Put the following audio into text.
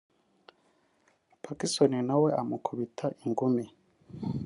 Pacson nawe amukubita ingumi